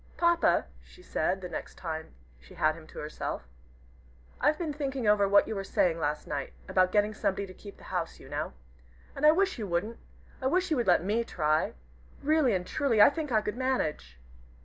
"Papa," she said, the next time she got him to herself, "I've been thinking over what you were saying last night, about getting somebody to keep the house, you know. And I wish you wouldn't. I wish you would let me try. Really and truly, I think I could manage."